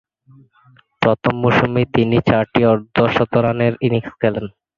প্রথম মৌসুমেই তিনি চারটি অর্ধ-শতরানের ইনিংস খেলেন।